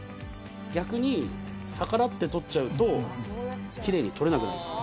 逆に逆らって取っちゃうときれいに取れなくなるんですよ。